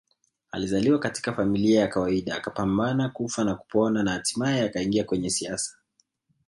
Alizaliwa katika familia ya kawaida akapambana kufa na kupona na hatimaye akaingia kwenye siasa